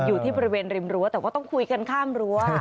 อยู่ที่บริเวณริมรั้วแต่ว่าต้องคุยกันข้ามรั้ว